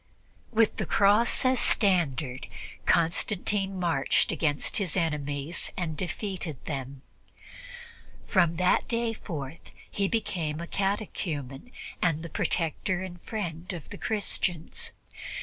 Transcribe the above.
With the Cross as standard, Constantine marched against his enemies and defeated them. From that day forth he became a catechumen and the protector and friend of the Christians.